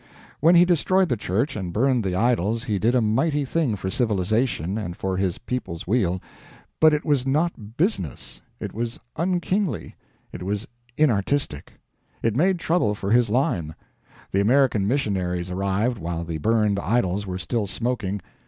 When he destroyed the Church and burned the idols he did a mighty thing for civilization and for his people's weal but it was not "business." It was unkingly, it was inartistic. It made trouble for his line. The American missionaries arrived while the burned idols were still smoking.